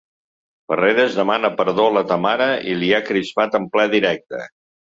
Ferreras, demana perdó a la Tamara, li han cridat en ple directe.